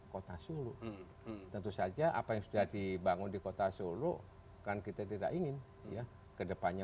kota solo tentu saja apa yang sudah dibangun di kota solo kan kita tidak ingin ya kedepannya